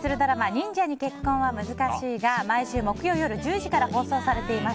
「忍者に結婚は難しい」が毎週木曜夜１０時から放送されています。